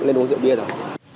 nên uống rượu bia đâu